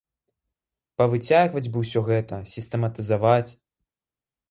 Павыцягваць бы ўсё гэта, сістэматызаваць.